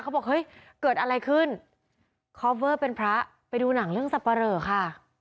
บอกเฮ้ยเกิดอะไรขึ้นคอฟเวอร์เป็นพระไปดูหนังเรื่องสับปะเหลอค่ะ